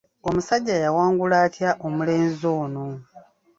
Omusajjja yawangula atya omulenzi ono?